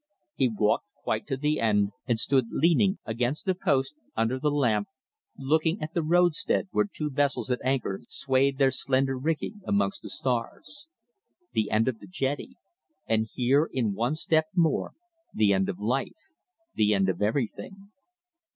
He walked quite to the end and stood leaning against the post, under the lamp, looking at the roadstead where two vessels at anchor swayed their slender rigging amongst the stars. The end of the jetty; and here in one step more the end of life; the end of everything.